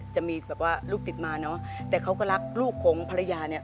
จะมีแบบว่าลูกติดมาเนอะแต่เขาก็รักลูกของภรรยาเนี่ย